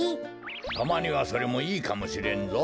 たまにはそれもいいかもしれんぞ。